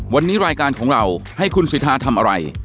วันนี้รายการของเราให้คุณสิทธาทำอะไร